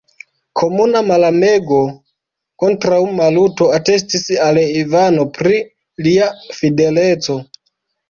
Komuna malamego kontraŭ Maluto atestis al Ivano pri lia fideleco.